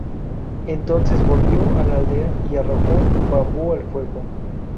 Entonces, volvió a la aldea y arrojó el bambú al fuego.